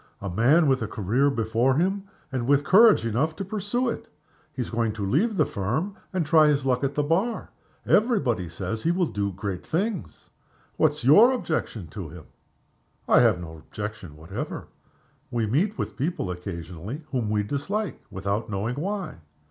A man with a career before him, and with courage enough to pursue it. He is going to leave the Firm, and try his luck at the Bar. Every body says he will do great things. What's your objection to him?" "I have no objection whatever. We meet with people occasionally whom we dislike without knowing why.